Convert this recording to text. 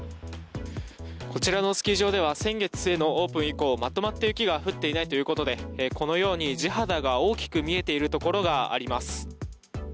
こちらのスキー場では、先月末のオープン以降、まとまった雪が降っていないということで、このように地肌が大きく見えている所があります。